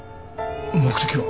目的は？